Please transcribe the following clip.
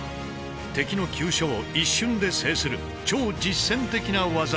敵の急所を一瞬で制する超実戦的な技だ。